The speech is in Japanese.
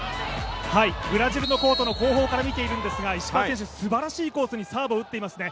ブラジルのコートの後方から見ているんですが石川選手、すばらしいコースにサーブを打っていますね。